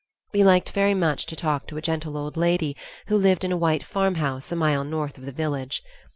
We liked very much to talk to a gentle old lady who lived in a white farmhouse a mile north of the village.